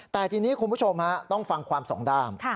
แต่ทีนี้คุณผู้ชมต้องฟังความสองด้าน